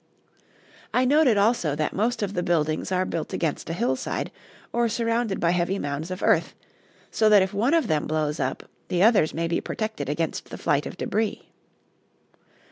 I noted also that most of the buildings are built against a hillside or surrounded by heavy mounds of earth, so that if one of them blows up, the others may be protected against the flight of debris.